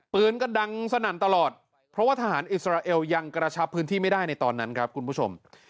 ปืนก็ดังสนั่นตลอดเพราะว่าทหารอิสราเอลยังกระชับพื้นที่ไม่ได้ในตอนนั้นครับคุณผู้ชม